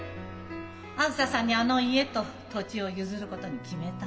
あづささんにあの家と土地を譲ることに決めたの。